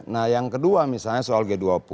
nah yang kedua misalnya soal g dua puluh